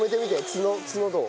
角角どう？